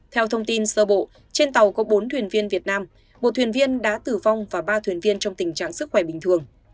theo thông tin sơ bộ trên tàu có bốn thuyền viên việt nam một thuyền viên đã tử vong và ba thuyền viên trong tình trạng sức khỏe bình thường